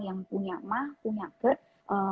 yang punya emah punya gejala